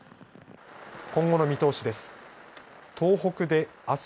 今後の見通しです。